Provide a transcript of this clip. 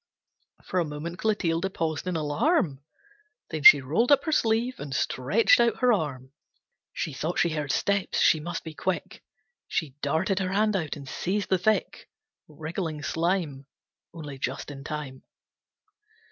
For a moment Clotilde paused in alarm, Then she rolled up her sleeve and stretched out her arm. She thought she heard steps, she must be quick. She darted her hand out, and seized the thick Wriggling slime, Only just in time.